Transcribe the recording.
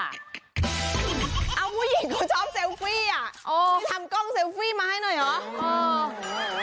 เอาผู้หญิงเขาชอบเซลฟี่อ่ะทำกล้องเซลฟี่มาให้หน่อยเหรอ